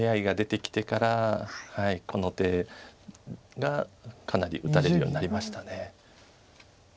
ＡＩが出てきてからこの手がかなり打たれるようになりました。